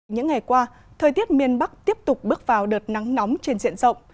những ngày qua thời tiết miền bắc tiếp tục bước vào đợt nắng nóng trên diện rộng